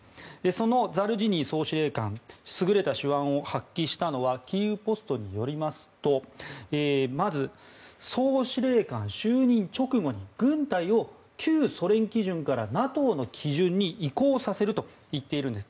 そのザルジニー総司令官優れた手腕を発揮したのはキーウポストによりますとまず総司令官就任直後に軍隊を旧ソ連基準からＮＡＴＯの基準に移行させると言っているんです。